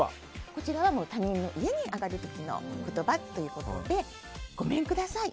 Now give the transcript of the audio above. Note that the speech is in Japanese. こちらは他人の家に上がる時の言葉ということでごめんください。